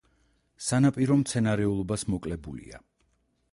სანაპირო მცენარეულობას მოკლებულია.